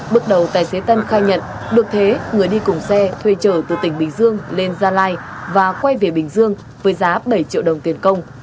bước đầu tài xế tâm khai nhận được thế người đi cùng xe thuê trở từ tỉnh bình dương lên gia lai và quay về bình dương với giá bảy triệu đồng tiền công